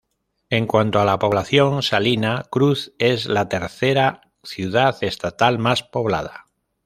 En cuanto a la población, Salina Cruz es la tercera ciudad estatal más poblada.